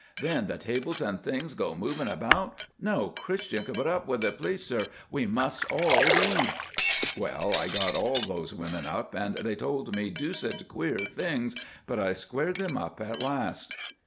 Then the tables and things go moving about. No Christian could put up with it, please sir. We must all leave.' "Well, I got all those women up, and they told me deuced queer things, but I squared them up at last."